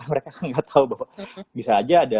mereka kan gak tau bahwa bisa aja ada